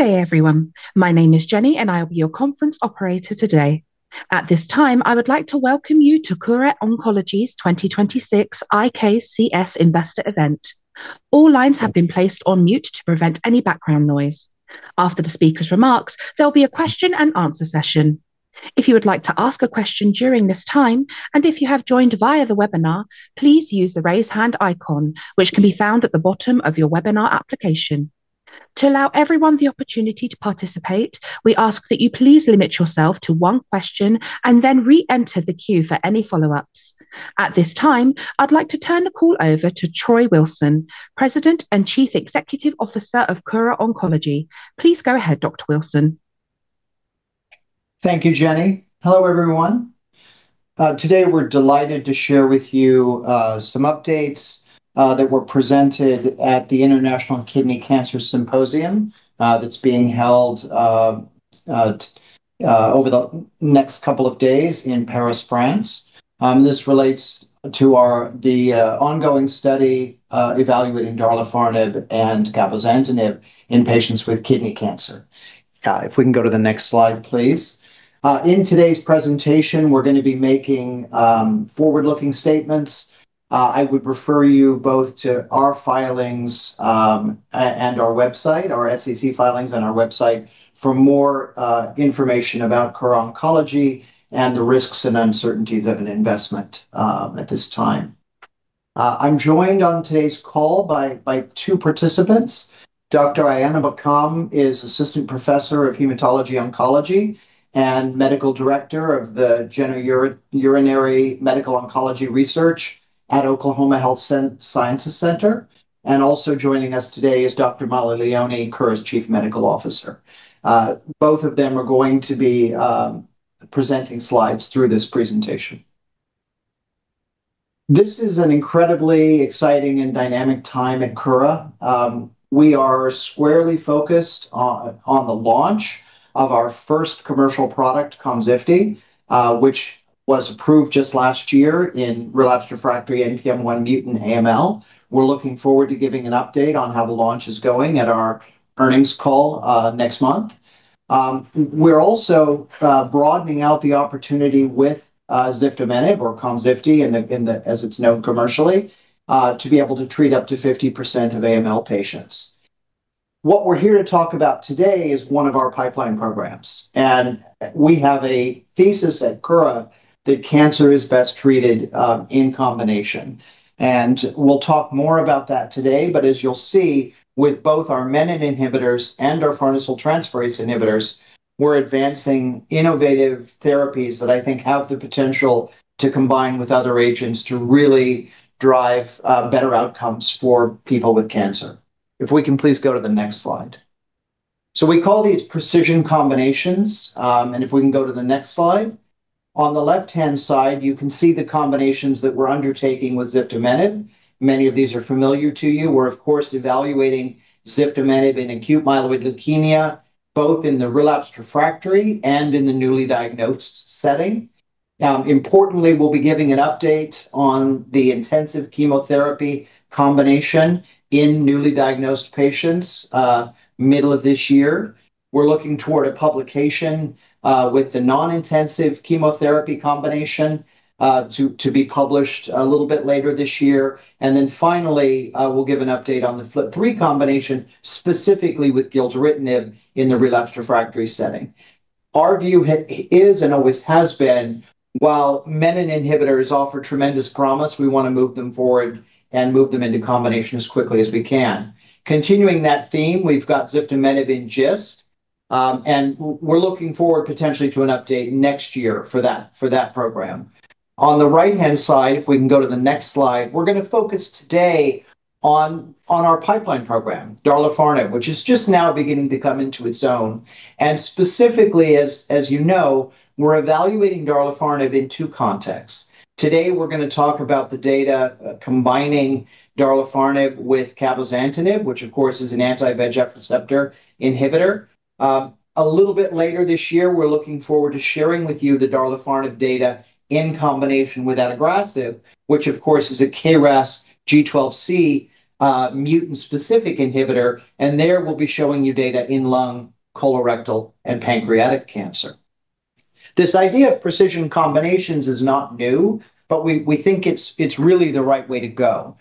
Good day everyone. My name is Jenny, and I will be your conference operator today. At this time, I would like to welcome you to Kura Oncology's 2026 IKCS investor event. All lines have been placed on mute to prevent any background noise. After the speaker's remarks, there'll be a question-and-answer session. If you would like to ask a question during this time, and if you have joined via the webinar, please use the raise hand icon, which can be found at the bottom of your webinar application. To allow everyone the opportunity to participate, we ask that you please limit yourself to one question and then re-enter the queue for any follow-ups. At this time, I'd like to turn the call over to Troy Wilson, President and Chief Executive Officer of Kura Oncology. Please go ahead, Dr. Wilson. Thank you, Jenny. Hello everyone. Today we're delighted to share with you some updates that were presented at the International Kidney Cancer Symposium that's being held over the next couple of days in Paris, France. This relates to the ongoing study evaluating darlifarnib and cabozantinib in patients with kidney cancer. If we can go to the next slide, please. In today's presentation, we're going to be making forward-looking statements. I would refer you both to our filings and our website, our SEC filings and our website for more information about Kura Oncology and the risks and uncertainties of an investment at this time. I'm joined on today's call by two participants. Dr. Ayana Buckham is Assistant Professor of Hematology Oncology and Medical Director of the Genitourinary Medical Oncology Research at Oklahoma Health Sciences Center. Also joining us today is Dr. Mollie Leoni, Kura's Chief Medical Officer. Both of them are going to be presenting slides through this presentation. This is an incredibly exciting and dynamic time at Kura. We are squarely focused on the launch of our first commercial product, KOMZIFTI, which was approved just last year in relapsed refractory NPM1 mutant AML. We're looking forward to giving an update on how the launch is going at our earnings call next month. We're also broadening out the opportunity with ziftomenib, or KOMZIFTI as it's known commercially, to be able to treat up to 50% of AML patients. What we're here to talk about today is one of our pipeline programs, and we have a thesis at Kura that cancer is best treated in combination. We'll talk more about that today, but as you'll see, with both our MENIN inhibitors and our farnesyltransferase inhibitors, we're advancing innovative therapies that I think have the potential to combine with other agents to really drive better outcomes for people with cancer. If we can please go to the next slide. We call these precision combinations, and if we can go to the next slide. On the left-hand side, you can see the combinations that we're undertaking with ziftomenib. Many of these are familiar to you. We're of course evaluating ziftomenib in acute myeloid leukemia, both in the relapsed refractory and in the newly diagnosed setting. Importantly, we'll be giving an update on the intensive chemotherapy combination in newly diagnosed patients, middle of this year. We're looking toward a publication, with the non-intensive chemotherapy combination, to be published a little bit later this year. Then finally, we'll give an update on the FLT3 combination, specifically with gilteritinib in the relapsed refractory setting. Our view is and always has been, while MENIN inhibitors offer tremendous promise, we want to move them forward and move them into combination as quickly as we can. Continuing that theme, we've got ziftomenib in GIST, and we're looking forward potentially to an update next year for that program. On the right-hand side, if we can go to the next slide, we're going to focus today on our pipeline program, darlifarnib, which is just now beginning to come into its own. Specifically, as you know, we're evaluating darlifarnib in two contexts. Today, we're going to talk about the data combining darlifarnib with cabozantinib, which of course is an anti-VEGF receptor inhibitor. A little bit later this year, we're looking forward to sharing with you the darlifarnib data in combination with adagrasib, which of course is a KRAS G12C mutant-specific inhibitor, and there we'll be showing you data in lung, colorectal, and pancreatic cancer. This idea of precision combinations is not new, but we think it's really the right way to go.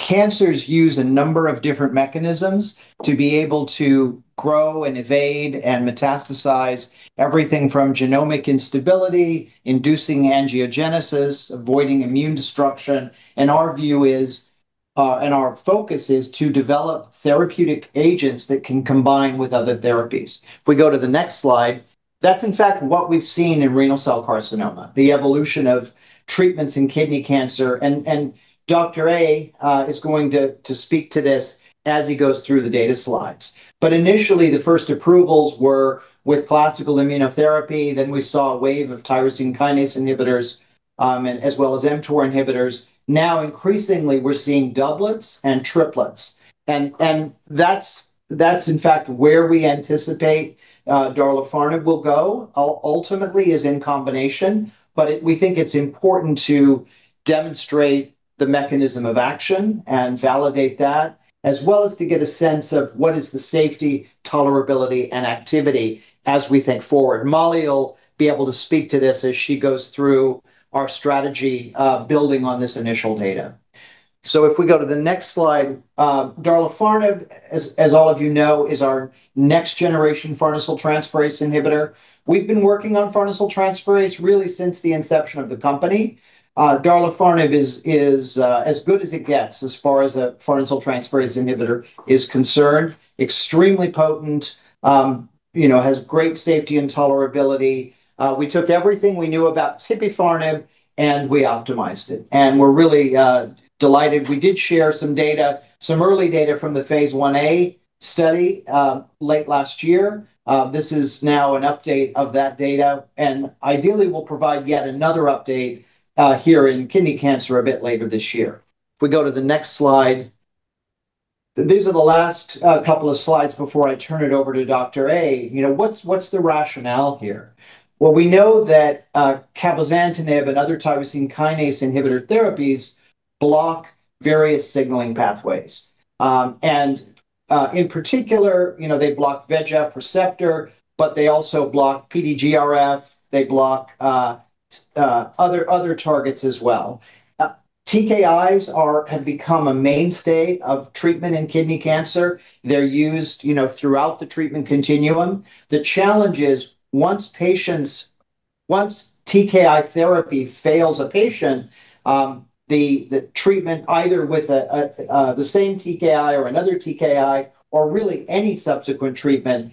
Cancers use a number of different mechanisms to be able to grow and evade and metastasize everything from genomic instability, inducing angiogenesis, avoiding immune destruction, and our view is, and our focus is to develop therapeutic agents that can combine with other therapies. If we go to the next slide. That's in fact what we've seen in renal cell carcinoma, the evolution of treatments in kidney cancer, and Dr. A is going to speak to this as he goes through the data slides. Initially, the first approvals were with classical immunotherapy, then we saw a wave of tyrosine kinase inhibitors, as well as mTOR inhibitors. Now, increasingly, we're seeing doublets and triplets. That's in fact where we anticipate darlifarnib will go, ultimately is in combination. We think it's important to demonstrate the mechanism of action and validate that, as well as to get a sense of what is the safety, tolerability, and activity as we think forward. Mollie will be able to speak to this as she goes through our strategy, building on this initial data. If we go to the next slide. Darlifarnib, as all of you know, is our next-generation farnesyltransferase inhibitor. We've been working on farnesyltransferase really since the inception of the company. Darlifarnib is as good as it gets as far as a farnesyltransferase inhibitor is concerned. Extremely potent, has great safety and tolerability. We took everything we knew about Tipifarnib, and we optimized it. We're really delighted. We did share some data, some early data from the Phase 1a study late last year. This is now an update of that data, and ideally, we'll provide yet another update here in kidney cancer a bit later this year. If we go to the next slide. These are the last couple of slides before I turn it over to Dr. A. What's the rationale here? Well, we know that cabozantinib and other tyrosine kinase inhibitor therapies block various signaling pathways. In particular, they block VEGF receptor, but they also block PDGFR, they block other targets as well. TKIs have become a mainstay of treatment in kidney cancer. They're used throughout the treatment continuum. The challenge is, once TKI therapy fails a patient, the treatment, either with the same TKI or another TKI, or really any subsequent treatment,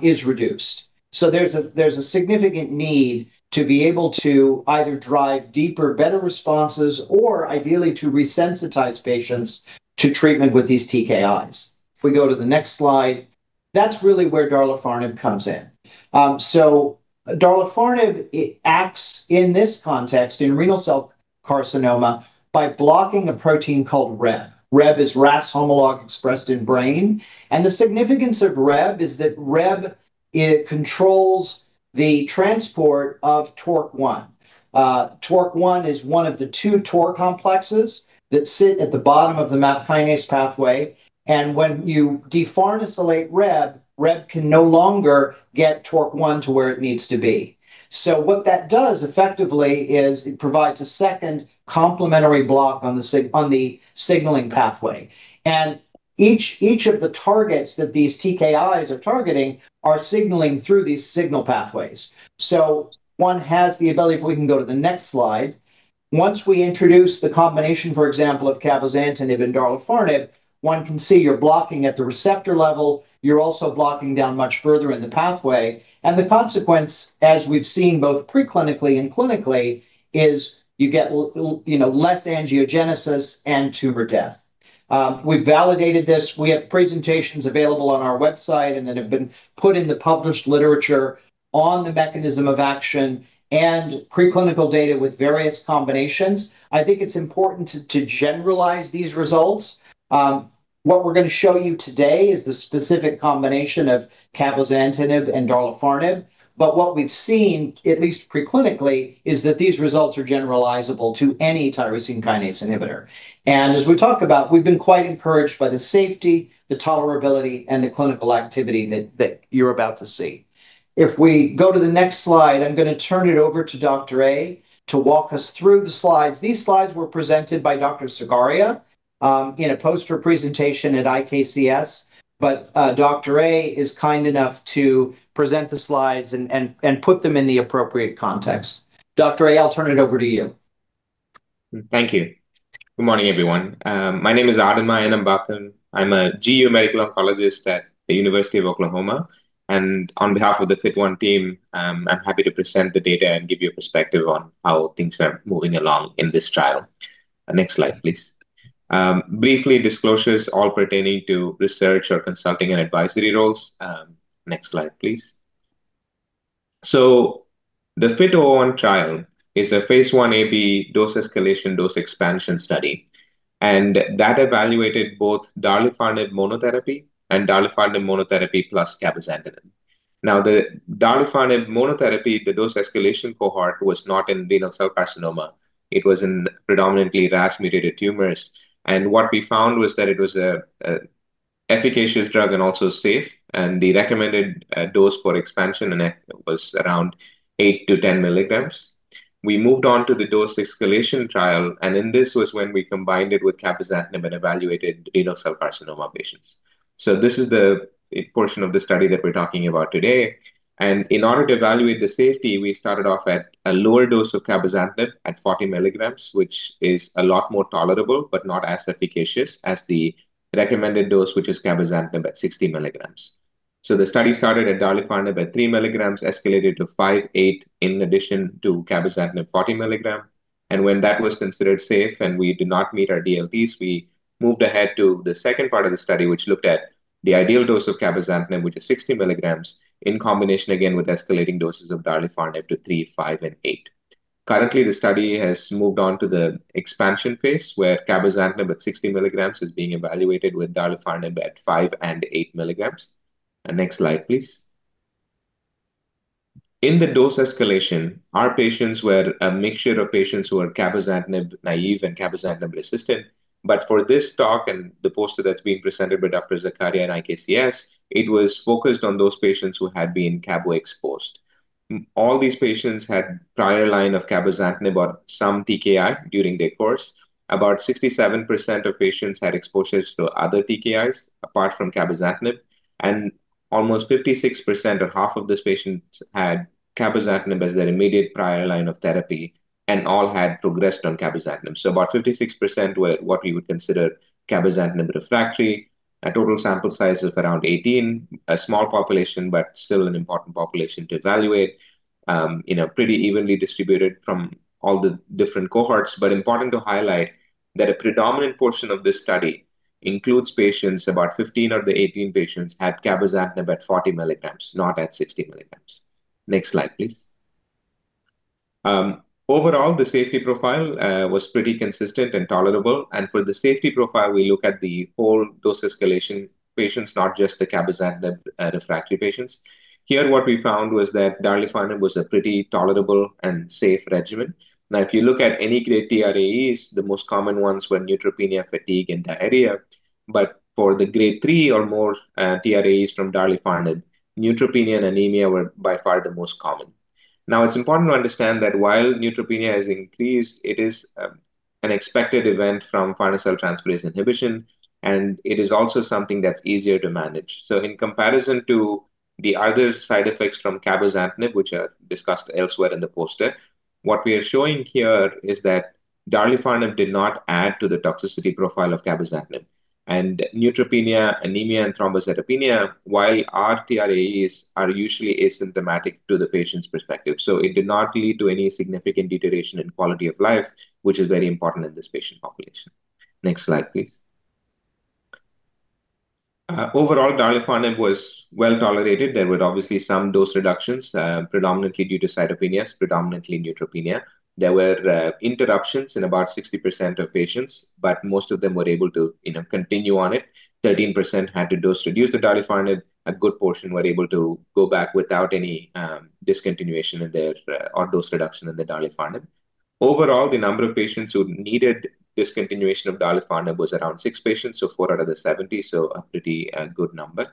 is reduced. There's a significant need to be able to either drive deeper, better responses, or ideally to resensitize patients to treatment with these TKIs. If we go to the next slide. That's really where darlifarnib comes in. Darlifarnib acts in this context, in renal cell carcinoma, by blocking a protein called Rheb. Rheb is Ras homologue expressed in brain. The significance of Rheb is that Rheb controls the transport of mTORC1. mTORC1 is one of the two mTOR complexes that sit at the bottom of the MAP kinase pathway. When you defarnesylate Rheb can no longer get mTORC1 to where it needs to be. What that does effectively is it provides a second complementary block on the signaling pathway. Each of the targets that these TKIs are targeting are signaling through these signal pathways. One has the ability. If we can go to the next slide. Once we introduce the combination, for example, of cabozantinib and darlifarnib, one can see you're blocking at the receptor level, you're also blocking down much further in the pathway. The consequence, as we've seen both pre-clinically and clinically, is you get less angiogenesis and tumor death. We've validated this. We have presentations available on our website, and that have been put in the published literature on the mechanism of action and preclinical data with various combinations. I think it's important to generalize these results. What we're going to show you today is the specific combination of cabozantinib and darlifarnib, but what we've seen, at least pre-clinically, is that these results are generalizable to any tyrosine kinase inhibitor. As we talk about, we've been quite encouraged by the safety, the tolerability, and the clinical activity that you're about to see. If we go to the next slide, I'm going to turn it over to Dr. A. to walk us through the slides. These slides were presented by Dr. Zakharia in a poster presentation at IKCS. Dr. A. is kind enough to present the slides and put them in the appropriate context. Dr. A., I'll turn it over to you. Thank you. Good morning, everyone. My name is Adeyemi Onabanjo. I'm a GU Medical Oncologist at the University of Oklahoma. On behalf of the FIT-01 team, I'm happy to present the data and give you a perspective on how things are moving along in this trial. Next slide, please. Briefly, disclosures all pertaining to research or consulting and advisory roles. Next slide, please. The FIT-01 trial is a Phase 1a/1b dose escalation, dose expansion study, and that evaluated both darlifarnib monotherapy and darlifarnib monotherapy plus cabozantinib. Now, the darlifarnib monotherapy, the dose escalation cohort was not in renal cell carcinoma. It was in predominantly RAS-mutated tumors. What we found was that it was an efficacious drug and also safe, and the recommended dose for expansion was around 8 mg-10 mg. We moved on to the dose escalation trial, and then this was when we combined it with cabozantinib and evaluated renal cell carcinoma patients. This is the portion of the study that we're talking about today. In order to evaluate the safety, we started off at a lower dose of cabozantinib at 40 mg, which is a lot more tolerable but not as efficacious as the recommended dose, which is cabozantinib at 60 mg. The study started at darlifarnib at 3 mg, escalated to 5 mg, 8 mg, in addition to cabozantinib 40 mg. When that was considered safe and we did not meet our DLTs, we moved ahead to the second part of the study, which looked at the ideal dose of cabozantinib, which is 60 mg, in combination, again, with escalating doses of darlifarnib to 3 mg, 5 mg, and 8 mg. Currently, the study has moved on to the expansion phase, where cabozantinib at 60 mg is being evaluated with darlifarnib at 5 mg and 8 mg. Next slide, please. In the dose escalation, our patients were a mixture of patients who were cabozantinib naive and cabozantinib resistant. For this talk and the poster that's being presented by Dr. Zakharia in IKCS, it was focused on those patients who had been cabo-exposed. All these patients had prior line of cabozantinib or some TKI during their course. About 67% of patients had exposures to other TKIs apart from cabozantinib, and almost 56% or half of these patients had cabozantinib as their immediate prior line of therapy, and all had progressed on cabozantinib. About 56% were what we would consider cabozantinib refractory. A total sample size of around 18. A small population, but still an important population to evaluate. Pretty evenly distributed from all the different cohorts. Important to highlight that a predominant portion of this study includes patients, about 15 of the 18 patients, had cabozantinib at 40 mg, not at 60 mg. Next slide, please. Overall, the safety profile was pretty consistent and tolerable. For the safety profile, we look at the whole dose escalation patients, not just the cabozantinib refractory patients. Here, what we found was that darlifarnib was a pretty tolerable and safe regimen. Now, if you look at any Grade 3 AEs, the most common ones were neutropenia, fatigue, and diarrhea. For the Grade 3 or more AEs from darlifarnib, neutropenia and anemia were by far the most common. Now, it's important to understand that while neutropenia has increased, it is an expected event from farnesyltransferase inhibition, and it is also something that's easier to manage. In comparison to the other side effects from cabozantinib, which are discussed elsewhere in the poster, what we are showing here is that darlifarnib did not add to the toxicity profile of cabozantinib. Neutropenia, anemia, and thrombocytopenia, while are AEs, are usually asymptomatic to the patient's perspective. It did not lead to any significant deterioration in quality of life, which is very important in this patient population. Next slide, please. Overall, darlifarnib was well-tolerated. There were obviously some dose reductions, predominantly due to cytopenias, predominantly neutropenia. There were interruptions in about 60% of patients, but most of them were able to continue on it. 13% had to dose reduce the darlifarnib. A good portion were able to go back without any discontinuation or dose reduction in the darlifarnib. Overall, the number of patients who needed discontinuation of darlifarnib was around six patients, so four out of the 70, so a pretty good number.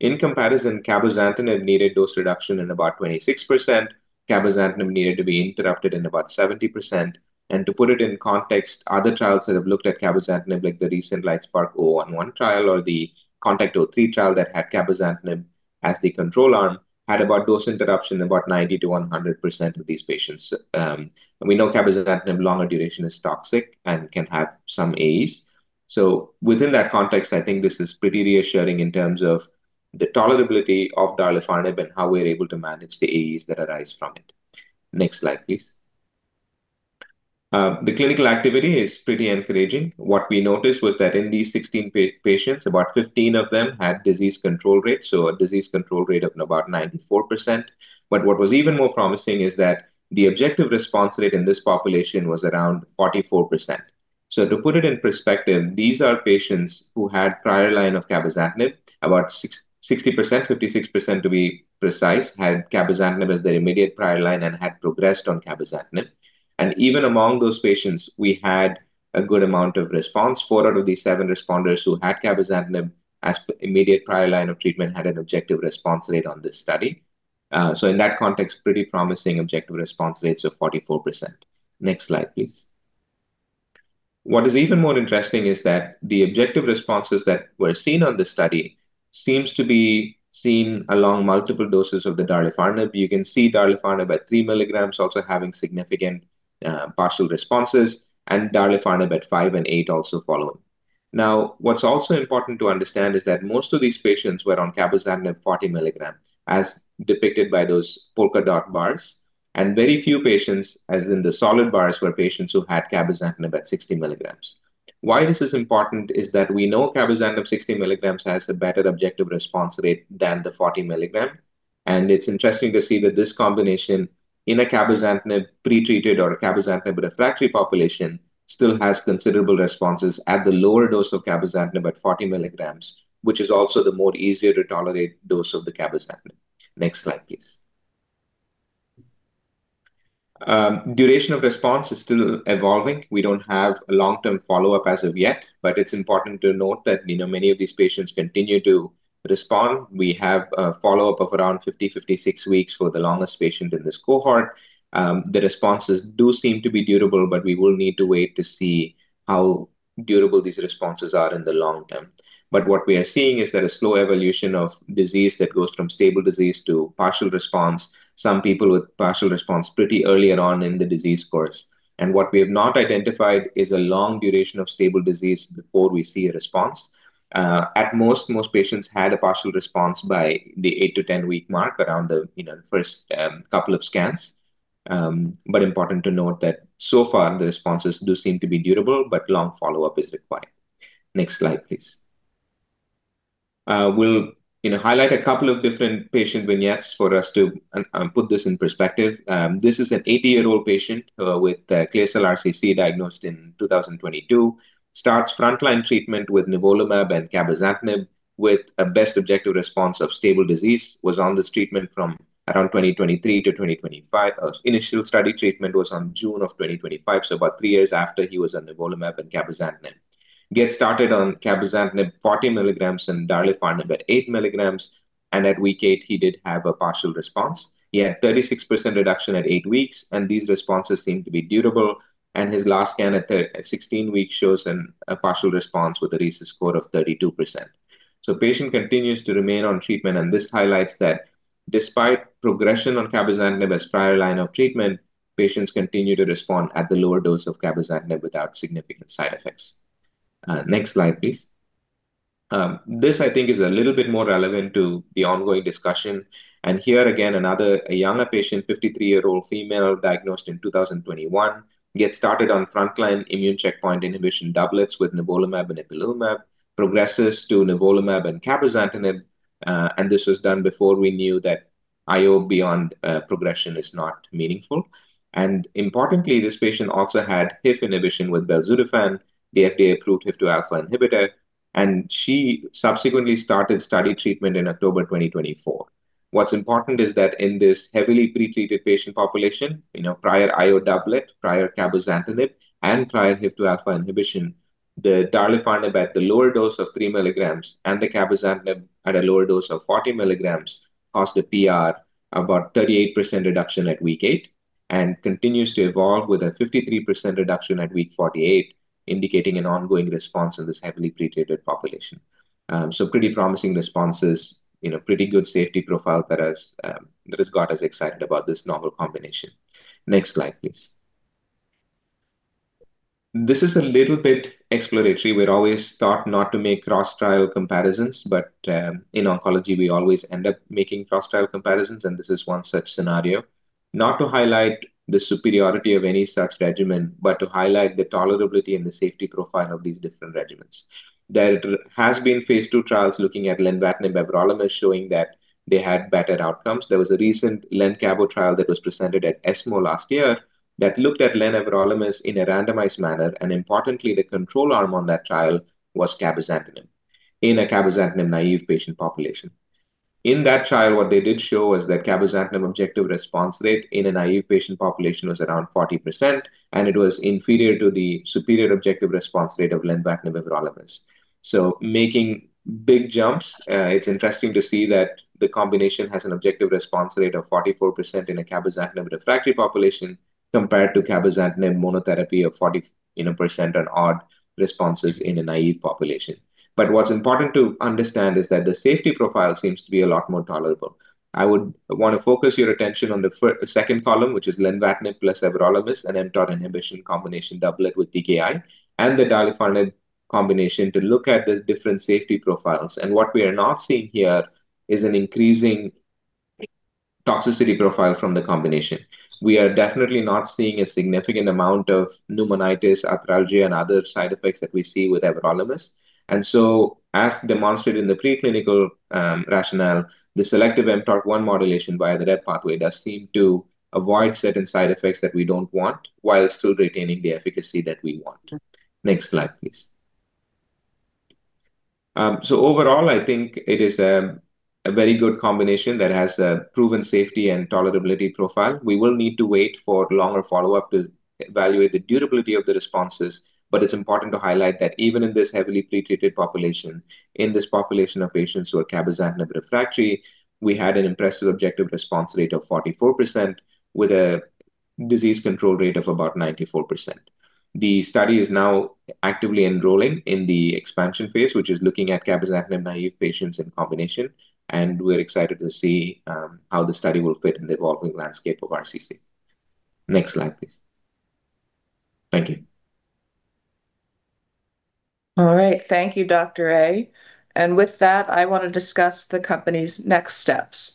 In comparison, cabozantinib needed dose reduction in about 26%. Cabozantinib needed to be interrupted in about 70%. To put it in context, other trials that have looked at cabozantinib, like the recent LITESPARK-011 trial or the CONTACT-03 trial that had cabozantinib as the control arm, had about dose interruption in about 90%-100% of these patients. We know cabozantinib longer duration is toxic and can have some AEs. Within that context, I think this is pretty reassuring in terms of the tolerability of darlifarnib and how we're able to manage the AEs that arise from it. Next slide, please. The clinical activity is pretty encouraging. What we noticed was that in these 16 patients, about 15 of them had disease control rate, so a disease control rate of about 94%. What was even more promising is that the objective response rate in this population was around 44%. To put it in perspective, these are patients who had prior line of cabozantinib. About 60%, 56% to be precise, had cabozantinib as their immediate prior line and had progressed on cabozantinib. Even among those patients, we had a good amount of response. four out of these seven responders who had cabozantinib as immediate prior line of treatment had an objective response rate on this study. In that context, pretty promising objective response rates of 44%. Next slide, please. What is even more interesting is that the objective responses that were seen on this study seems to be seen along multiple doses of the darlifarnib. You can see darlifarnib at 3 mg also having significant partial responses, and darlifarnib at 5 mg and 8 mg also follow. Now, what's also important to understand is that most of these patients were on cabozantinib 40 mg, as depicted by those polka dot bars. Very few patients, as in the solid bars, were patients who had cabozantinib at 60 mg. Why this is important is that we know cabozantinib 60 mg has a better objective response rate than the 40 mg. It's interesting to see that this combination in a cabozantinib pre-treated or a cabozantinib refractory population still has considerable responses at the lower dose of cabozantinib at 40 mg, which is also the more easier to tolerate dose of the cabozantinib. Next slide, please. Duration of response is still evolving. We don't have a long-term follow-up as of yet, but it's important to note that many of these patients continue to respond. We have a follow-up of around 50-56 weeks for the longest patient in this cohort. The responses do seem to be durable, but we will need to wait to see how durable these responses are in the long term. What we are seeing is that a slow evolution of disease that goes from stable disease to partial response. Some people with partial response pretty early on in the disease course. What we have not identified is a long duration of stable disease before we see a response. Most patients had a partial response by the eight to 10-week mark around the first couple of scans. Important to note that so far the responses do seem to be durable, but long follow-up is required. Next slide, please. We'll highlight a couple of different patient vignettes for us to put this in perspective. This is an 80-year-old patient with clear cell RCC diagnosed in 2022, starts frontline treatment with nivolumab and cabozantinib, with a best objective response of stable disease, was on this treatment from around 2023-2025. His initial study treatment was on June of 2025, so about three years after he was on nivolumab and cabozantinib. Gets started on cabozantinib 40 mg and daralizumab 8 mg. At week eight he did have a partial response. He had 36% reduction at eight weeks, and these responses seem to be durable. His last scan at 16 weeks shows a partial response with a RECIST score of 32%. Patient continues to remain on treatment, and this highlights that despite progression on cabozantinib as prior line of treatment, patients continue to respond at the lower dose of cabozantinib without significant side effects. Next slide, please. This I think is a little bit more relevant to the ongoing discussion. Here again, another, a younger patient, 53-year-old female diagnosed in 2021, gets started on frontline immune checkpoint inhibition doublets with nivolumab and ipilimumab, progresses to nivolumab and cabozantinib. This was done before we knew that IO beyond progression is not meaningful. Importantly, this patient also had HIF inhibition with belzutifan, the FDA-approved HIF-2 alpha inhibitor, and she subsequently started study treatment in October 2024. What's important is that in this heavily pretreated patient population, prior IO doublet, prior cabozantinib, and prior HIF-2 alpha inhibition, the belzutifan at the lower dose of 3 mg and the cabozantinib at a lower dose of 40 mg caused a PR about 38% reduction at week eight and continues to evolve with a 53% reduction at week 48, indicating an ongoing response in this heavily pretreated population. Pretty promising responses, pretty good safety profile that has got us excited about this novel combination. Next slide, please. This is a little bit exploratory. We're always taught not to make cross-trial comparisons, but in oncology we always end up making cross-trial comparisons, and this is one such scenario. Not to highlight the superiority of any such regimen, but to highlight the tolerability and the safety profile of these different regimens. There has been Phase 2 trials looking at lenvatinib-everolimus showing that they had better outcomes. There was a recent LenCabo trial that was presented at ESMO last year that looked at lenvatinib-everolimus in a randomized manner, and importantly, the control arm on that trial was cabozantinib in a cabozantinib naive patient population. In that trial, what they did show was that cabozantinib objective response rate in a naive patient population was around 40%, and it was inferior to the superior objective response rate of lenvatinib-everolimus. Making big jumps, it's interesting to see that the combination has an objective response rate of 44% in a cabozantinib refractory population compared to cabozantinib monotherapy of 40 and odd responses in a naive population. What's important to understand is that the safety profile seems to be a lot more tolerable. I would want to focus your attention on the second column, which is lenvatinib plus everolimus, an mTOR inhibition combination doublet with TKI and the durvalumab combination to look at the different safety profiles. What we are not seeing here is an increasing toxicity profile from the combination. We are definitely not seeing a significant amount of pneumonitis, arthralgia, and other side effects that we see with everolimus. As demonstrated in the preclinical rationale, the selective mTORC1 modulation via the REDD1 pathway does seem to avoid certain side effects that we don't want while still retaining the efficacy that we want. Next slide, please. Overall, I think it is a very good combination that has a proven safety and tolerability profile. We will need to wait for longer follow-up to evaluate the durability of the responses. It's important to highlight that even in this heavily pretreated population, in this population of patients who are cabozantinib refractory, we had an impressive objective response rate of 44% with a disease control rate of about 94%. The study is now actively enrolling in the expansion phase, which is looking at cabozantinib naive patients in combination, and we're excited to see how the study will fit in the evolving landscape of RCC. Next slide, please. Thank you. All right. Thank you, Dr. Ayana Buckham. With that, I want to discuss the company's next steps.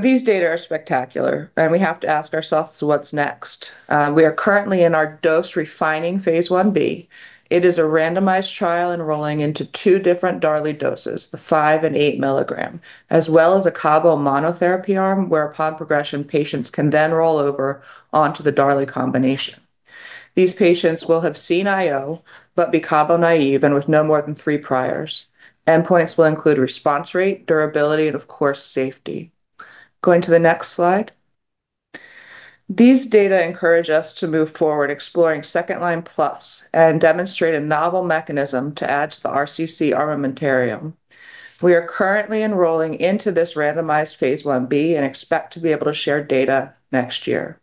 These data are spectacular and we have to ask ourselves, what's next? We are currently in our dose-refining Phase 1b. It is a randomized trial enrolling into two different darlifarnib doses, the 5-mg and 8-mg, as well as a cabo monotherapy arm, where, upon progression, patients can then roll over onto the darlifarnib combination. These patients will have seen IO but be cabo naive and with no more than three priors. Endpoints will include response rate, durability and of course, safety. Going to the next slide. These data encourage us to move forward exploring second-line plus and demonstrate a novel mechanism to add to the RCC armamentarium. We are currently enrolling into this randomized Phase 1b and expect to be able to share data next year.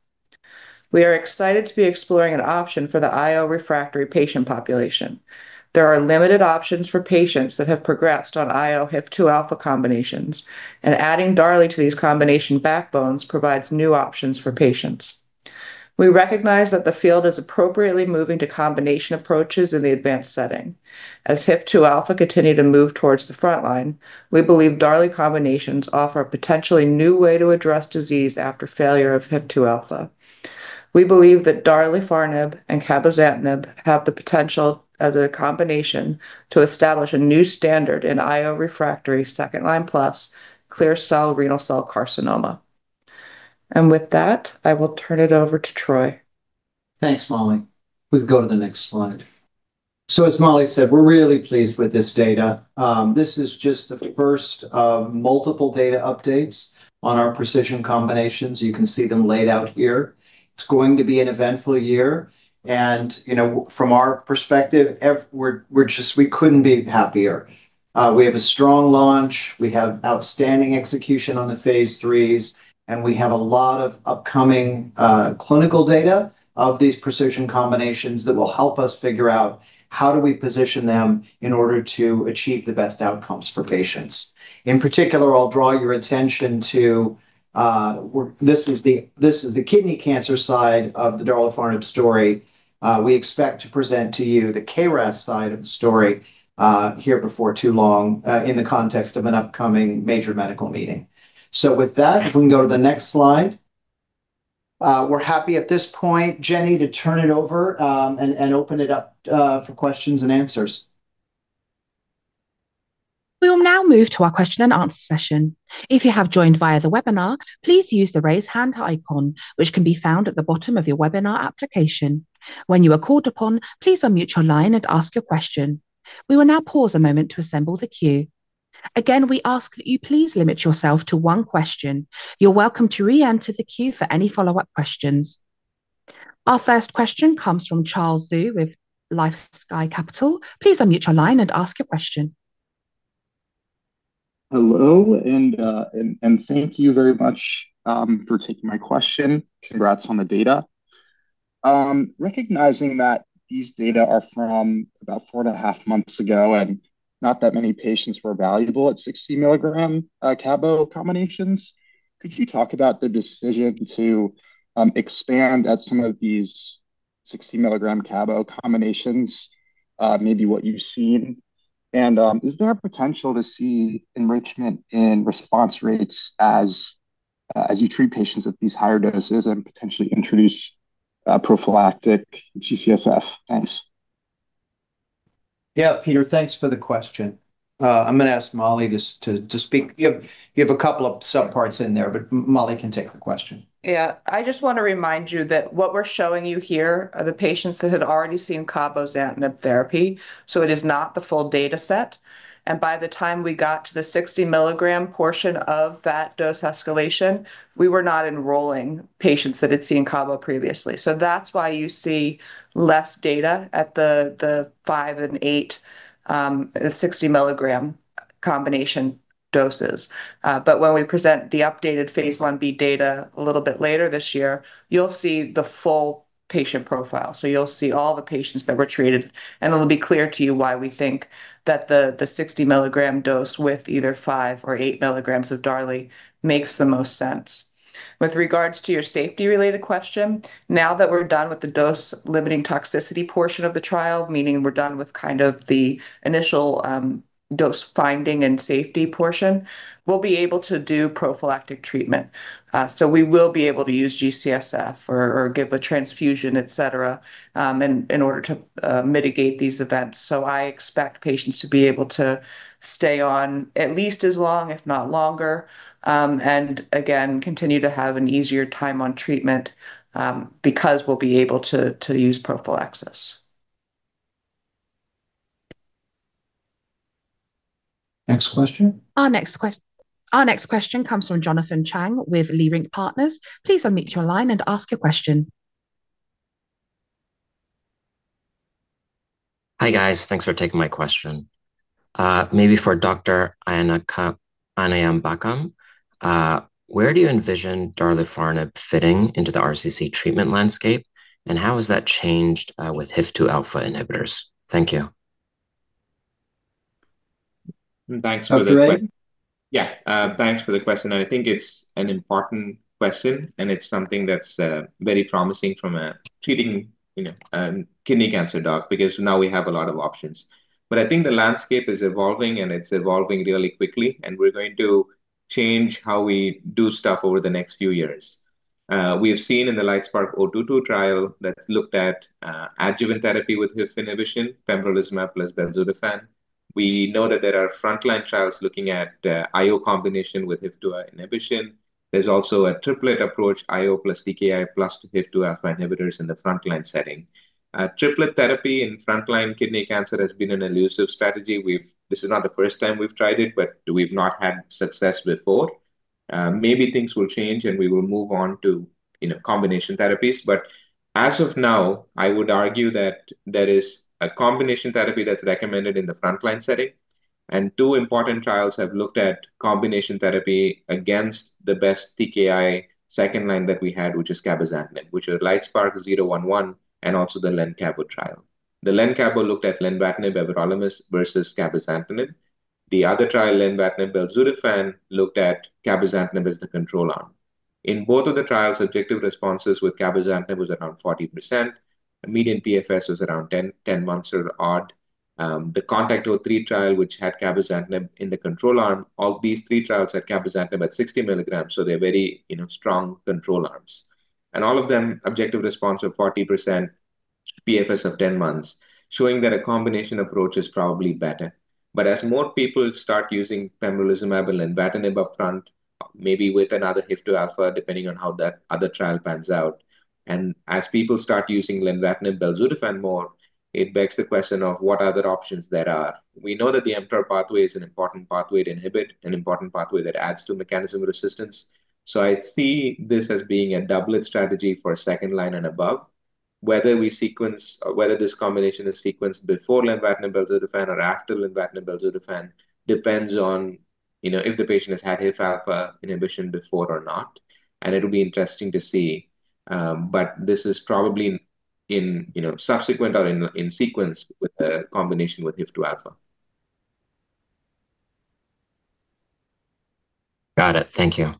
We are excited to be exploring an option for the IO refractory patient population. There are limited options for patients that have progressed on IO HIF-2 alpha combinations, and adding darlifarnib to these combination backbones provides new options for patients. We recognize that the field is appropriately moving to combination approaches in the advanced setting. As HIF-2 alpha continue to move towards the frontline, we believe darlifarnib combinations offer a potentially new way to address disease after failure of HIF-2 alpha. We believe that darlifarnib and cabozantinib have the potential, as a combination, to establish a new standard in IO-refractory second-line-plus clear cell renal cell carcinoma. With that, I will turn it over to Troy. Thanks, Mollie. We can go to the next slide. As Mollie said, we're really pleased with this data. This is just the first of multiple data updates on our precision combinations. You can see them laid out here. It's going to be an eventful year. From our perspective, we couldn't be happier. We have a strong launch. We have outstanding execution on the Phase 3s, and we have a lot of upcoming clinical data of these precision combinations that will help us figure out how do we position them in order to achieve the best outcomes for patients. In particular, I'll draw your attention to. This is the kidney cancer side of the darlifarnib story. We expect to present to you the KRAS side of the story here before too long, in the context of an upcoming major medical meeting. With that, if we can go to the next slide. We're happy at this point, Jenny, to turn it over, and open it up for questions and answers. We will now move to our question-and-answer session. If you have joined via the webinar, please use the raise hand icon, which can be found at the bottom of your webinar application. When you are called upon, please unmute your line and ask your question. We will now pause a moment to assemble the queue. Again, we ask that you please limit yourself to one question. You're welcome to re-enter the queue for any follow-up questions. Our first question comes from Charles Zhu with LifeSci Capital. Please unmute your line and ask your question. Hello, and thank you very much for taking my question. Congrats on the data. Recognizing that these data are from about 4.5 months ago and not that many patients were evaluable at 60 mg Cabo combinations, could you talk about the decision to expand at some of these 60 mg Cabo combinations? Maybe what you've seen. Is there a potential to see enrichment in response rates as you treat patients at these higher doses and potentially introduce prophylactic G-CSF? Thanks. Yeah, Charles, thanks for the question. I'm going to ask Mollie to speak. You have a couple of sub-parts in there, but Mollie can take the question. Yeah. I just want to remind you that what we're showing you here are the patients that had already seen cabozantinib therapy, so it is not the full data set. By the time we got to the 60 mg portion of that dose escalation, we were not enrolling patients that had seen Cabo previously. That's why you see less data at the 5 and 8 60 mg combination doses. When we present the updated Phase 1b data a little bit later this year, you'll see the full patient profile. You'll see all the patients that were treated, and it'll be clear to you why we think that the 60 mg dose with either 5 mg or 8 mg of darlifarnib makes the most sense. With regards to your safety-related question, now that we're done with the dose-limiting toxicity portion of the trial, meaning we're done with kind of the initial dose finding and safety portion, we'll be able to do prophylactic treatment. We will be able to use G-CSF or give a transfusion, et cetera, in order to mitigate these events. I expect patients to be able to stay on at least as long, if not longer, and again, continue to have an easier time on treatment, because we'll be able to use prophylaxis. Next question. Our next question comes from Jonathan Chang with Leerink Partners. Please unmute your line and ask your question. Hi, guys. Thanks for taking my question. Maybe for Dr. Adeyemi Onabanjo, where do you envision darlifarnib fitting into the RCC treatment landscape, and how has that changed with HIF-2 alpha inhibitors? Thank you. Thanks for the. Dr. A? Yeah. Thanks for the question, and I think it's an important question, and it's something that's very promising from a treating a kidney cancer doc, because now we have a lot of options. I think the landscape is evolving, and it's evolving really quickly, and we're going to change how we do stuff over the next few years. We have seen in the LITESPARK-022 trial that looked at adjuvant therapy with HIF inhibition, pembrolizumab plus belzutifan. We know that there are frontline trials looking at IO combination with HIF-2 alpha inhibition. There's also a triplet approach, IO plus TKI plus HIF-2 alpha inhibitors in the frontline setting. Triplet therapy in frontline kidney cancer has been an elusive strategy. This is not the first time we've tried it, but we've not had success before. Maybe things will change, and we will move on to combination therapies. As of now, I would argue that there is a combination therapy that's recommended in the frontline setting, and two important trials have looked at combination therapy against the best TKI second line that we had, which is cabozantinib, which are LITESPARK-011 and also the LenCabo trial. The LenCabo looked at lenvatinib, bevacizumab versus cabozantinib. The other trial, lenvatinib belzutifan, looked at cabozantinib as the control arm. In both of the trials, objective responses with cabozantinib was around 40%. Median PFS was around 10 months or so. The CONTACT-03 trial, which had cabozantinib in the control arm, all these three trials had cabozantinib at 60 mg, so they're very strong control arms. All of them, objective response of 40%, PFS of 10 months, showing that a combination approach is probably better. As more people start using pembrolizumab or lenvatinib up front, maybe with another HIF-2 alpha, depending on how that other trial pans out, and as people start using lenvatinib belzutifan more, it begs the question of what other options there are. We know that the mTOR pathway is an important pathway to inhibit, an important pathway that adds to mechanism of resistance. I see this as being a doublet strategy for second-line and above. Whether this combination is sequenced before lenvatinib belzutifan or after lenvatinib belzutifan depends on if the patient has had HIF-2 alpha inhibition before or not. It'll be interesting to see, but this is probably in subsequent or in sequence with the combination with HIF-2 alpha. Got it. Thank you.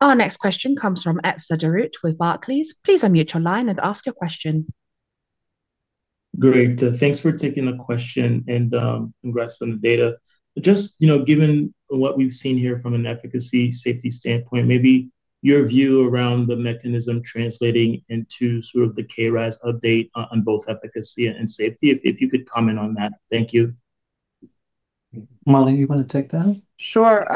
Our next question comes from Etzer Darout with Barclays. Please unmute your line and ask your question. Great. Thanks for taking the question and congrats on the data. Just given what we've seen here from an efficacy safety standpoint, maybe your view around the mechanism translating into sort of the KRAS update on both efficacy and safety, if you could comment on that. Thank you. Mollie, you want to take that? Sure.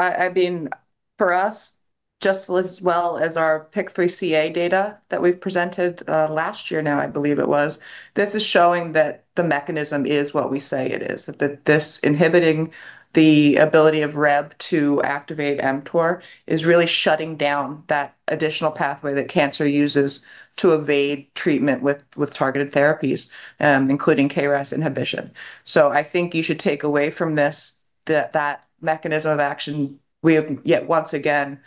For us, just as well as our PIK3CA data that we've presented last year now, I believe it was, this is showing that the mechanism is what we say it is. That this inhibiting the ability of Rheb to activate mTOR is really shutting down that additional pathway that cancer uses to evade treatment with targeted therapies, including KRAS inhibition. I think you should take away from this that that mechanism of action, we have yet once again,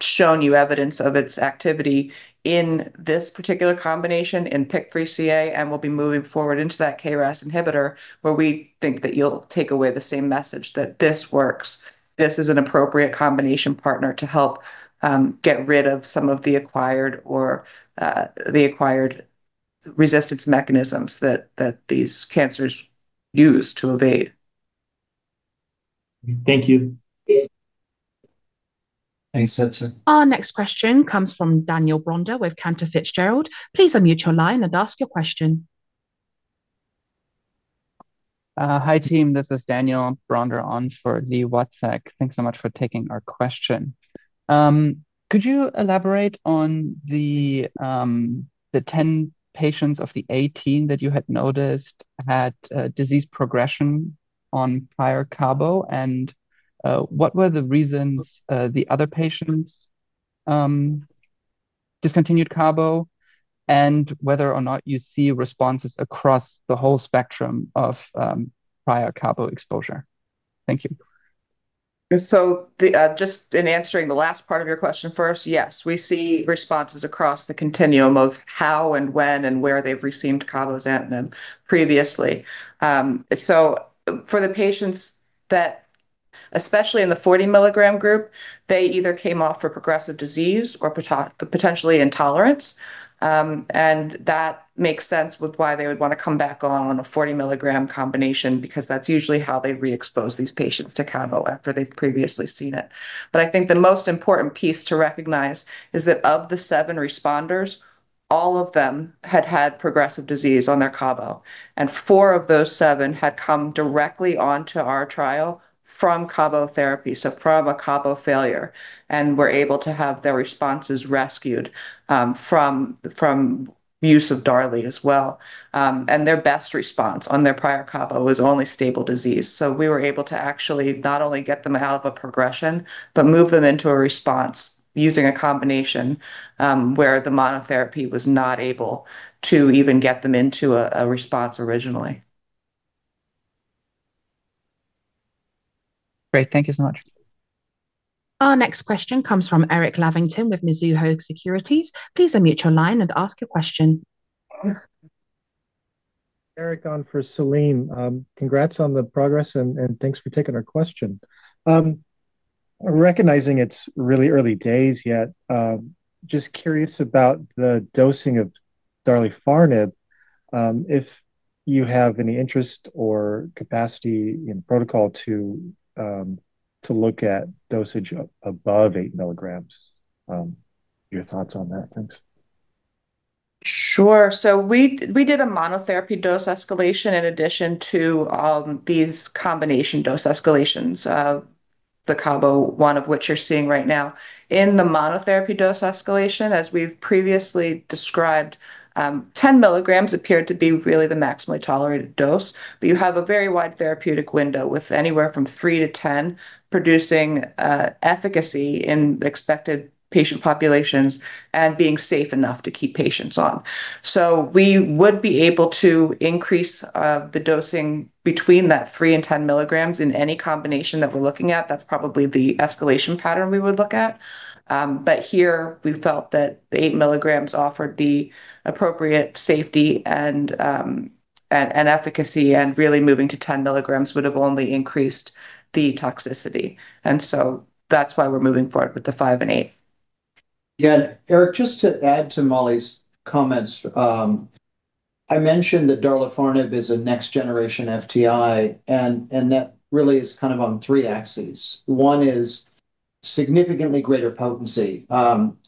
shown you evidence of its activity in this particular combination in PIK3CA, and we'll be moving forward into that KRAS inhibitor, where we think that you'll take away the same message, that this works. This is an appropriate combination partner to help get rid of some of the acquired resistance mechanisms that these cancers use to evade. Thank you. Thanks, Etzer. Our next question comes from Daniel Bronder with Cantor Fitzgerald. Please unmute your line and ask your question. Hi, team. This is Daniel Bronder on for Louise Chen. Thanks so much for taking our question. Could you elaborate on the 10 patients of the 18 that you had noticed had disease progression on prior cabo, and what were the reasons the other patients discontinued cabo, and whether or not you see responses across the whole spectrum of prior cabo exposure? Thank you. Just in answering the last part of your question first, yes, we see responses across the continuum of how and when and where they've received cabozantinib previously. For the patients, especially in the 40 mg group, they either came off for progressive disease or potentially intolerance. That makes sense with why they would want to come back on a 40 mg combination, because that's usually how they re-expose these patients to cabo after they've previously seen it. I think the most important piece to recognize is that of the seven responders, all of them had had progressive disease on their cabo, and four of those seven had come directly onto our trial from cabo therapy, so from a cabo failure, and were able to have their responses rescued from use of darlifarnib as well. Their best response on their prior cabo was only stable disease. We were able to actually not only get them out of a progression, but move them into a response using a combination, where the monotherapy was not able to even get them into a response originally. Great. Thank you so much. Our next question comes from Erik Lavington with Mizuho Securities. Please unmute your line and ask your question. Eric on for Salim. Congrats on the progress and thanks for taking our question. Recognizing it's really early days yet, just curious about the dosing of darlifarnib. If you have any interest or capacity in protocol to look at dosage above 8 mg, your thoughts on that? Thanks. Sure. We did a monotherapy dose escalation in addition to these combination dose escalations of the cabo, one of which you're seeing right now. In the monotherapy dose escalation, as we've previously described, 10 mg appeared to be really the maximally tolerated dose, but you have a very wide therapeutic window with anywhere from 3 mg-10 mg producing efficacy in expected patient populations and being safe enough to keep patients on. We would be able to increase the dosing between that 3 mg and 10 mg in any combination that we're looking at. That's probably the escalation pattern we would look at. Here we felt that the 8 mg offered the appropriate safety and efficacy and really moving to 10 mg would've only increased the toxicity. That's why we're moving forward with the 5 mg and 8 mg. Yeah. Eric, just to add to Mollie's comments, I mentioned that darlifarnib is a next-generation FTI and that really is kind of on three axes. One is significantly greater potency,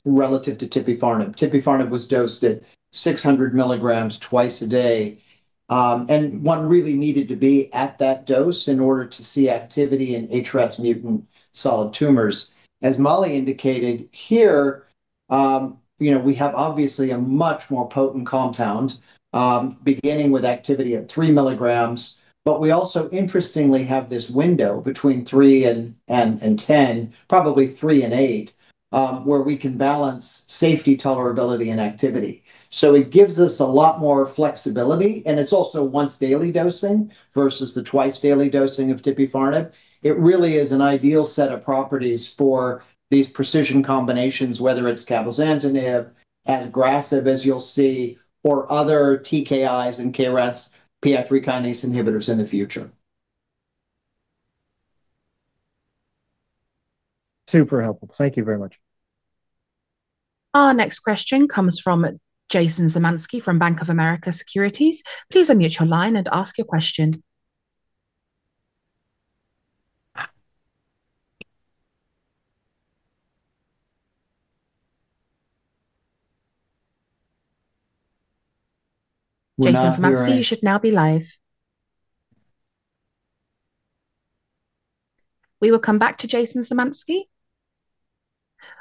relative to Tipifarnib. Tipifarnib was dosed at 600 mg twice a day, and one really needed to be at that dose in order to see activity in HRAS-mutant solid tumors. As Mollie indicated here, we have obviously a much more potent compound, beginning with activity at 3 mg. But we also interestingly have this window between 3 mg-10 mg, probably 3 mg-8 mg, where we can balance safety, tolerability, and activity. It gives us a lot more flexibility, and it's also once daily dosing versus the twice daily dosing of Tipifarnib. It really is an ideal set of properties for these precision combinations, whether it's cabozantinib, adagrasib, as you'll see, or other TKIs and KRAS PI3 kinase inhibitors in the future. Super helpful. Thank you very much. Our next question comes from Jason Zemansky from Bank of America Securities. Please unmute your line and ask your question. Jason Zemansky, you should now be live. We will come back to Jason Zemansky.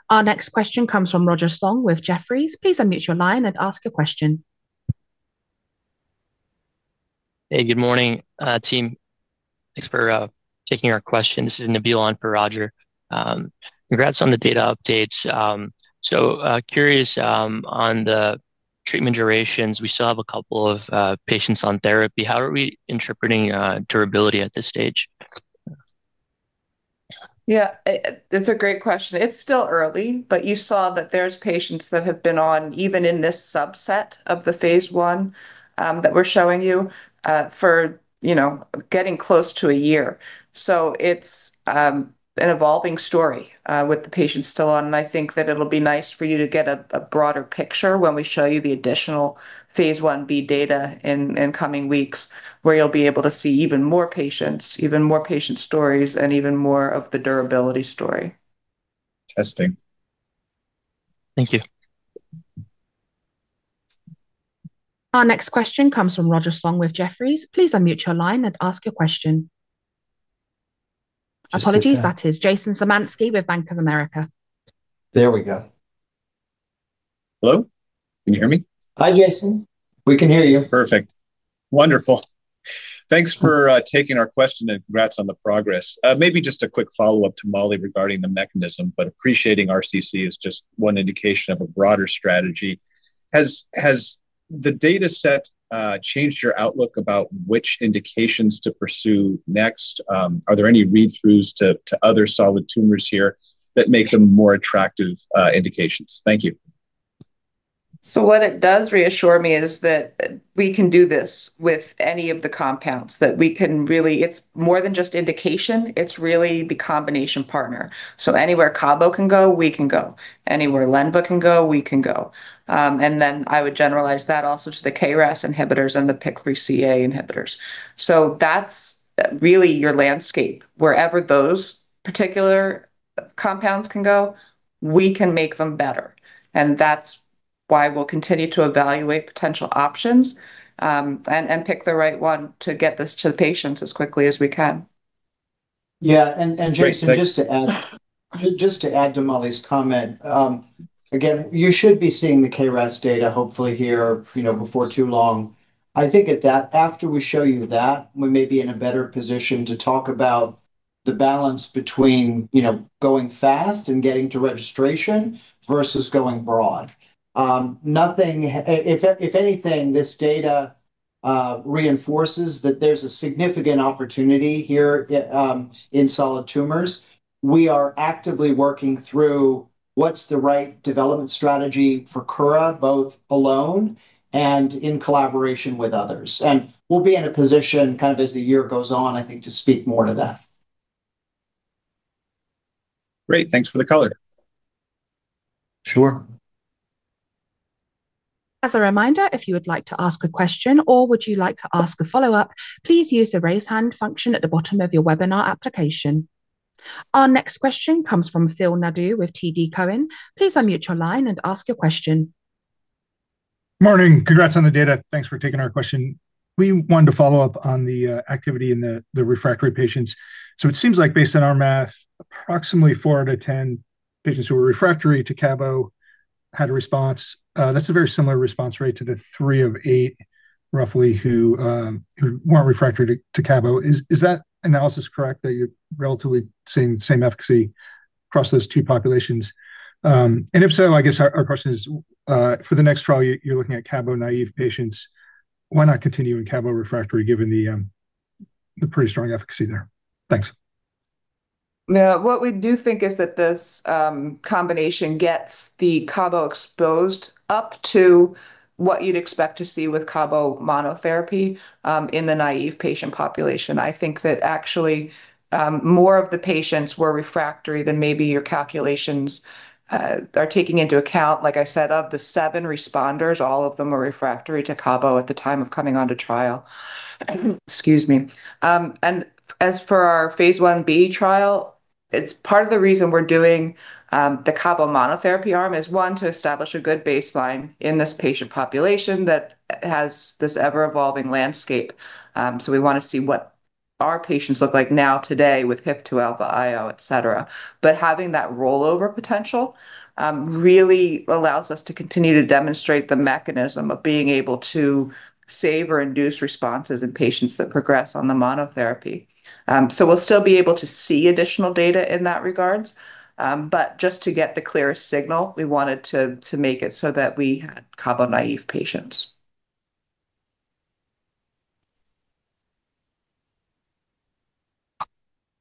Our next question comes from Roger Song with Jefferies. Please unmute your line and ask a question. Hey, good morning, team. Thanks for taking our question. This is Nabil on for Roger. Congrats on the data updates. Curious on the treatment durations, we still have a couple of patients on therapy. How are we interpreting durability at this stage? Yeah, it's a great question. It's still early, but you saw that there's patients that have been on, even in this subset of the Phase 1, that we're showing you for getting close to a year. It's an evolving story, with the patients still on. I think that it'll be nice for you to get a broader picture when we show you the additional Phase 1b data in coming weeks where you'll be able to see even more patients, even more patient stories, and even more of the durability story. Testing. Thank you. Our next question comes from Roger Song with Jefferies. Please unmute your line and ask your question. Apologies, that is Jason Zemansky with Bank of America. There we go. Hello? Can you hear me? Hi, Jason. We can hear you. Perfect. Wonderful. Thanks for taking our question, and congrats on the progress. Maybe just a quick follow-up to Mollie regarding the mechanism, but appreciating RCC as just one indication of a broader strategy. Has the dataset changed your outlook about which indications to pursue next? Are there any read-throughs to other solid tumors here that make them more attractive indications? Thank you. What it does is reassure me that we can do this with any of the compounds, that we can really. It's more than just indication, it's really the combination partner. Anywhere cabo can go, we can go. Anywhere lenva can go, we can go. I would generalize that also to the KRAS inhibitors and the PI3CA inhibitors. That's really your landscape. Wherever those particular compounds can go, we can make them better, and that's why we'll continue to evaluate potential options, and pick the right one to get this to the patients as quickly as we can. Yeah. Jason- Great. Thank you. Just to add to Mollie's comment, again, you should be seeing the KRAS data, hopefully here, before too long. I think after we show you that, we may be in a better position to talk about the balance between going fast and getting to registration versus going broad. If anything, this data reinforces that there's a significant opportunity here, in solid tumors. We are actively working through what's the right development strategy for Kura, both alone and in collaboration with others. We'll be in a position kind of as the year goes on, I think, to speak more to that. Great. Thanks for the color. Sure. As a reminder, if you would like to ask a question or would you like to ask a follow-up, please use the raise hand function at the bottom of your webinar application. Our next question comes from Phil Nadeau with TD Cowen. Please unmute your line and ask your question. Morning. Congrats on the data. Thanks for taking our question. We wanted to follow-up on the activity in the refractory patients. It seems like based on our math, approximately four patients to 10 patients who were refractory to cabo had a response. That's a very similar response rate to the three or eight, roughly, who weren't refractory to cabo. Is that analysis correct, that you're relatively seeing the same efficacy across those two populations? If so, I guess our question is, for the next trial, you're looking at cabo-naive patients. Why not continue in cabo refractory given the pretty strong efficacy there? Thanks. Yeah. What we do think is that this combination gets the cabo exposed up to what you'd expect to see with cabo monotherapy, in the naive patient population. I think that actually, more of the patients were refractory than maybe your calculations are taking into account. Like I said, of the seven responders, all of them were refractory to cabo at the time of coming onto trial. Excuse me. As for our Phase 1b trial, it's part of the reason we're doing the cabo monotherapy arm is, one, to establish a good baseline in this patient population that has this ever-evolving landscape. We wanna see what our patients look like now today with HIF-2 alpha IO, et cetera. Having that rollover potential, really allows us to continue to demonstrate the mechanism of being able to save or induce responses in patients that progress on the monotherapy. We'll still be able to see additional data in that regard. To get the clearest signal, we wanted to make it so that we had cabo-naive patients.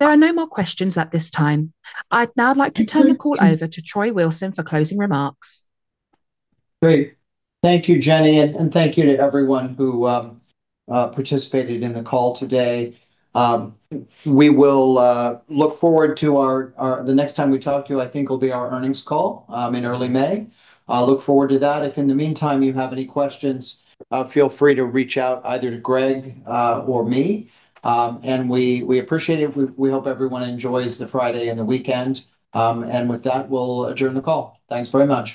There are no more questions at this time. I'd now like to turn the call over to Troy Wilson for closing remarks. Great. Thank you, Jenny, and thank you to everyone who participated in the call today. We will look forward to the next time we talk to you, I think, will be our earnings call, in early May. Look forward to that. If in the meantime you have any questions, feel free to reach out either to Greg or me. We appreciate it. We hope everyone enjoys the Friday and the weekend. With that, we'll adjourn the call. Thanks very much.